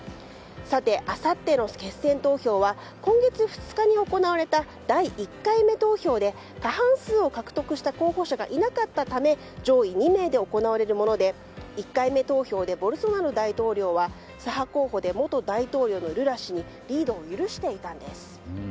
さて、あさっての決選投票は今月２日に行われた第１回目投票で過半数を獲得した候補者がいなかったため上位２名で行われるもので１回目投票でボルソナロ大統領は左派候補で元大統領のルラ氏にリードを許していたんです。